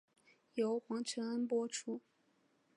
由黄承恩播出。